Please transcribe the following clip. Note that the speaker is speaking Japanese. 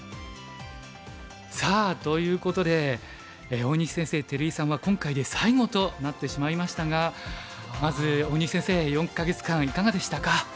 さあということで大西先生照井さんは今回で最後となってしまいましたがまず大西先生４か月間いかがでしたか？